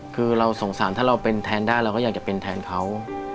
คือเราสงสารถ้าเราเป็นแทนได้เราก็อยากจะเป็นแทนเขา